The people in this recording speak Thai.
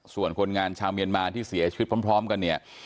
ส่วนคนงานชาวเมียนมาที่เสียชีวิตพร้อมกันเนี่ย